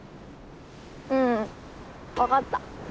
うん分かった。